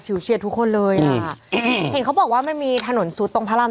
เชียร์ทุกคนเลยอ่ะอืมเห็นเขาบอกว่ามันมีถนนซุดตรงพระราม